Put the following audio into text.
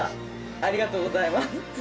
ありがとうございます。